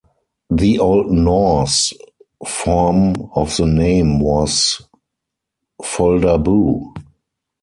The Old Norse form of the name was "Foldabu".